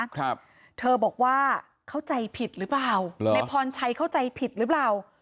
ครับเธอบอกว่าเข้าใจผิดหรือเปล่าเหรอในพรชัยเข้าใจผิดหรือเปล่า